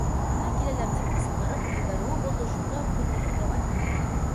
— Ана, киләләр! — тип ҡысҡырып ебәреүе булды, шунда уҡ бөтә йәйләү аяҡҡа баҫты.